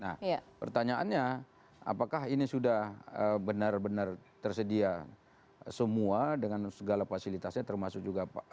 nah pertanyaannya apakah ini sudah benar benar tersedia semua dengan segala fasilitasnya termasuk juga